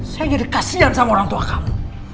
saya jadi kasian sama orang tua kamu